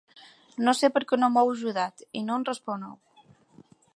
No sé perquè no m'heu ajudat i no em responeu.